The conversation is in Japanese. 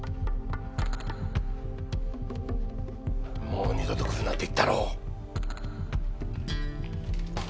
もう二度と来るなって言ったろう。